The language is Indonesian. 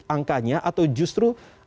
angkanya atau justru